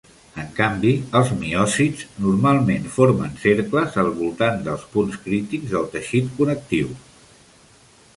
En canvi, els miòcits normalment formen cercles al voltant dels punts crítics del teixit connectiu.